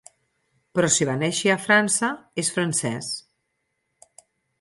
Però si va néixer a França és francès!